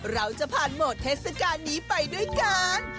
เราจะผ่านโหมดเทศกาลนี้ไปด้วยกัน